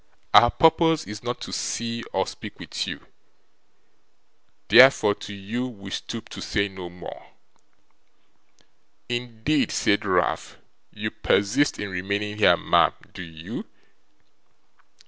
Our purpose is not to see or speak with you; therefore to you we stoop to say no more.' 'Indeed!' said Ralph. 'You persist in remaining here, ma'am, do you?